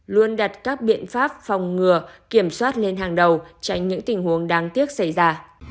luôn đặt các biện pháp phòng ngừa kiểm soát lên hàng đầu tránh những tình huống đáng tiếc xảy ra